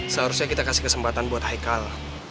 seharusnya kita kasih kesempatan buat haikal